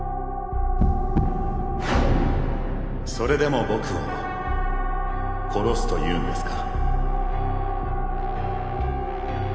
それでも僕を殺すと言うんですか？